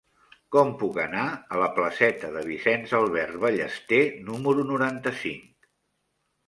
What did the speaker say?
Com puc anar a la placeta de Vicenç Albert Ballester número noranta-cinc?